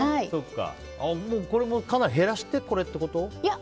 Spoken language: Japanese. これもかなり減らしてこれってこと？